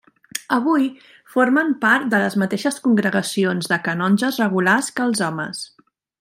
Avui, formen part de les mateixes congregacions de canonges regulars que els homes.